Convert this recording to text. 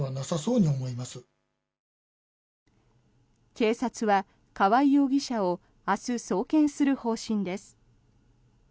警察は川合容疑者を明日、送検する方針です。